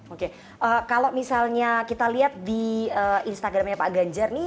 oke kalau misalnya kita lihat di instagramnya pak ganjar nih